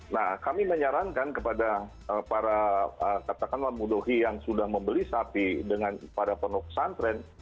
nah kami menyarankan kepada para katakanlah muduhi yang sudah membeli sapi pada penuh santren